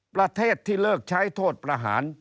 ประเทศที่เลิกใช้โทษประหาร